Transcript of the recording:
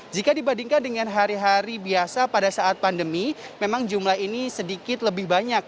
jika dibandingkan dengan hari hari biasa pada saat pandemi memang jumlah ini sedikit lebih banyak